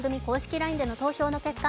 ＬＩＮＥでの投票の結果